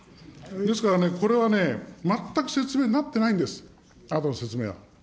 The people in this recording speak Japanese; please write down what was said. ですからね、これはね、全く説明になってないんです、あとの説明が。